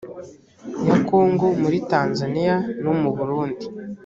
ya kongo muri tanzaniya no mu burundi